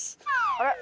あれ？